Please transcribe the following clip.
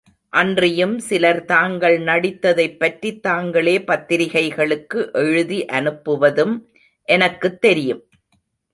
அன்றியும் சிலர் தாங்கள் நடித்ததைப்பற்றித் தாங்களே பத்திரிகைகளுக்கு எழுதி அனுப்புவதும் எனக்குத் தெரியும்.